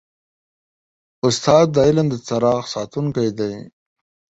استاد د علم د څراغ ساتونکی دی.